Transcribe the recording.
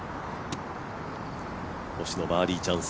星野、バーディーチャンス。